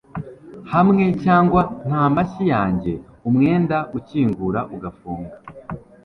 hamwe cyangwa nta mashyi yanjye umwenda ukingura ugafunga